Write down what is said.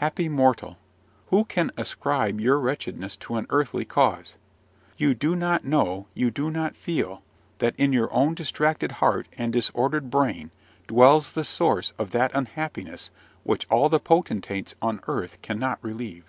Happy mortal, who can ascribe your wretchedness to an earthly cause! You do not know, you do not feel, that in your own distracted heart and disordered brain dwells the source of that unhappiness which all the potentates on earth cannot relieve.